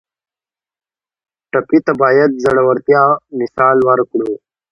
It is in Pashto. ټپي ته باید د زړورتیا مثال ورکړو.